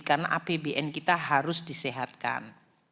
karena apbn kita harus disehatkan